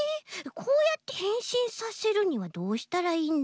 こうやってへんしんさせるにはどうしたらいいんだ？